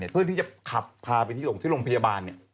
เพื่อที่จะขับพาไปที่โรงพยาบาล